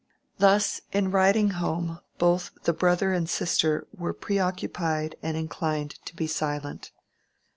Thus, in riding home, both the brother and the sister were preoccupied and inclined to be silent.